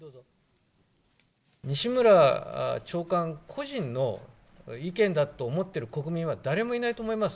西村長官個人の意見だと思ってる国民は誰もいないと思います。